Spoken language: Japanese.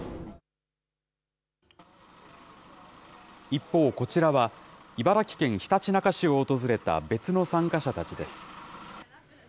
一方、こちらは、茨城県ひたちなか市を訪れた別の参加者たちです。